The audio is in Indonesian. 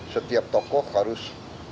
setiap tokoh harus